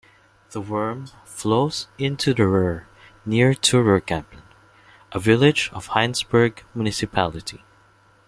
The Wurm flows into the Rur near to Rurkempen, a village of Heinsberg municipality.